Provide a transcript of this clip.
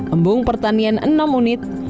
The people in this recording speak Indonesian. embung pertanian enam unit